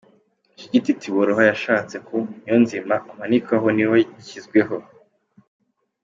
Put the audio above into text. Igiti Tiboroha yashatse ko Niyonzima amanikwaho ni we wagishyizweho.